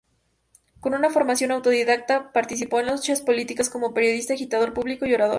Con una formación autodidacta, participó en luchas políticas como periodista, agitador público y orador.